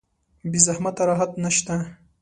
بې زحمته راحت نشته.